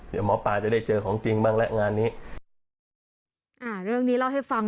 เดี๋ยวหมอปลาจะได้เจอของจริงบ้างแล้วงานนี้อ่าเรื่องนี้เล่าให้ฟัง